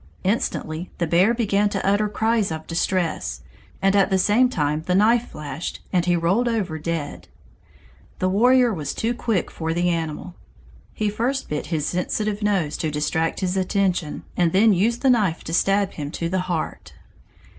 Instantly the bear began to utter cries of distress, and at the same time the knife flashed, and he rolled over dead. The warrior was too quick for the animal; he first bit his sensitive nose to distract his attention, and then used the knife to stab him to the heart.